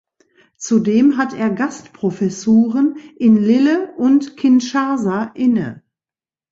Zudem hat er Gastprofessuren in Lille und Kinshasa inne.